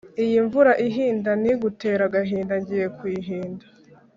Iyi mvura ihinda Ntigutere agahinda Ngiye kuyihinda.